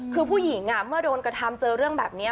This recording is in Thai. คือผู้หญิงเมื่อโดนกระทำเจอเรื่องแบบนี้